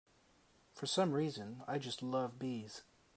For some reason I just love bees.